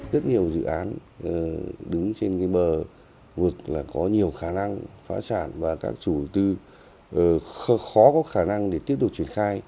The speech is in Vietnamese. rất nhiều dự án đứng trên bờ vượt có nhiều khả năng phá sản và các chủ tư khó có khả năng để tiếp tục triển khai